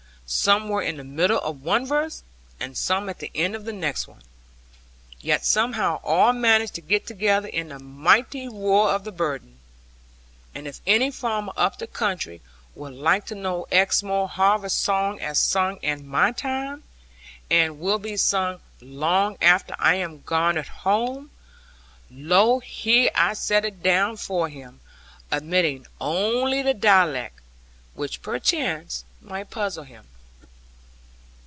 Some were in the middle of one verse, and some at the end of the next one; yet somehow all managed to get together in the mighty roar of the burden. And if any farmer up the country would like to know Exmoor harvest song as sung in my time and will be sung long after I am garnered home, lo, here I set it down for him, omitting only the dialect, which perchance might puzzle him.